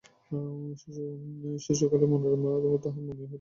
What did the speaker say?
শিশুকালে মনোরমা তাহার ধনী পিতৃগৃহ হইতে অপহৃত হইয়া দরিদ্রের গৃহে পালিত হইয়াছে।